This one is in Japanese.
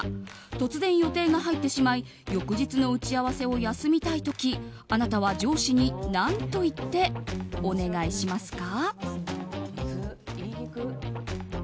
突然、予定が入ってしまい翌日の打ち合わせを休みたい時あなたは上司に何と言ってお願いしますか。